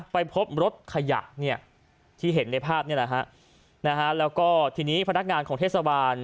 ไปพบรถขยะเนี่ยที่เห็นในภาพนี่แหละฮะนะฮะแล้วก็ทีนี้พนักงานของเทศบาล